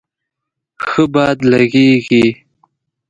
ښه باد لږیږی